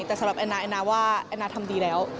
แต่สำหรับแอนนาแอนนาว่าแอนนาทำดีแล้ว